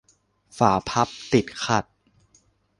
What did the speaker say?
ฝาพับติดขัด